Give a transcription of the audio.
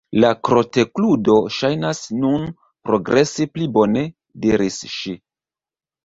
"La kroketludo ŝajnas nun progresi pli bone," diris ŝi.